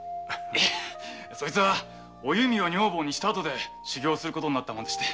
それはお弓を女房にしたあとで修行することになったもんで。